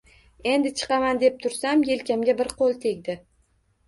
Endi chiqaman deb tursam yelkamga bir qoʻl tegdi